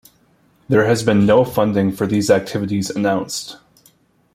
There has been no funding for these activities announced.